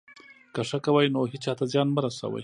که ښه کوئ، نو هېچا ته زیان مه رسوئ.